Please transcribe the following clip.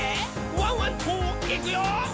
ワンワンといくよ」